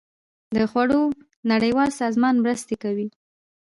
د خوړو نړیوال سازمان مرستې کوي